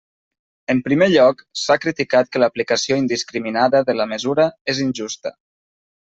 En primer lloc, s'ha criticat que l'aplicació indiscriminada de la mesura és injusta.